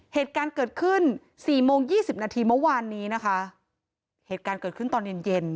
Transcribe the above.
เหตุการณ์เกิดขึ้นสี่โมงยี่สิบนาทีเมื่อวานนี้นะคะเหตุการณ์เกิดขึ้นตอนเย็นเย็น